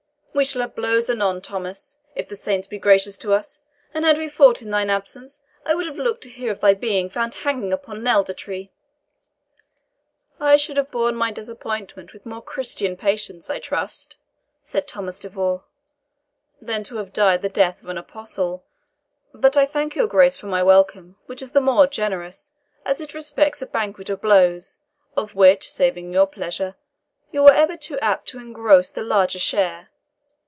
We shall have blows anon, Thomas, if the saints be gracious to us; and had we fought in thine absence, I would have looked to hear of thy being found hanging upon an elder tree." "I should have borne my disappointment with more Christian patience, I trust," said Thomas de Vaux, "than to have died the death of an apostate. But I thank your Grace for my welcome, which is the more generous, as it respects a banquet of blows, of which, saving your pleasure, you are ever too apt to engross the larger share.